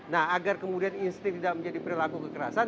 nah agar kemudian instik tidak menjadi perilaku kekerasan